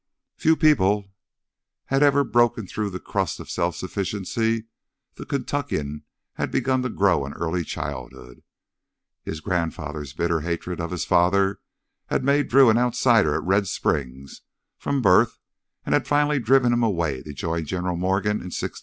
Few people had ever broken through the crust of self sufficiency the Kentuckian had begun to grow in early childhood. His grandfather's bitter hatred of his father had made Drew an outsider at Red Springs from birth and had finally driven him away to join General Morgan in '62.